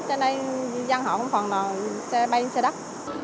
cho nên dân họ không còn xe bay xe đất